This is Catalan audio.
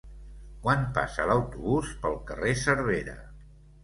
Quan passa l'autobús pel carrer Cervera?